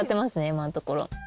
今のところ。